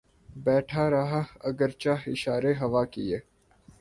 بیٹھا رہا اگرچہ اشارے ہوا کیے